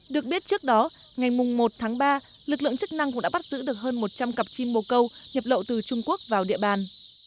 được biết trước đó ngày một tháng ba lực lượng chức năng cũng đã bắt giữ được hơn một trăm linh cặp chim mồ câu nhập lậu từ trung quốc vào địa bàn